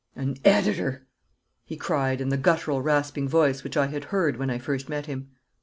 'An editor!' he cried in the guttural rasping voice which I had heard when I first met him.